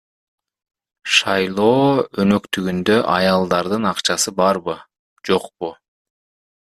Шайлоо өнөктүгүндө аялдардын акчасы барбы, жокпу?